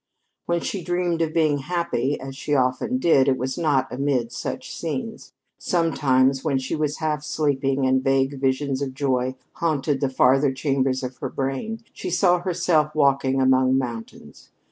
When she dreamed of being happy, as she often did, it was not amid such scenes. Sometimes, when she was half sleeping, and vague visions of joy haunted the farther chambers of her brain, she saw herself walking among mountains.